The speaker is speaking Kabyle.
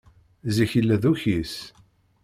Zik yella d ukyis.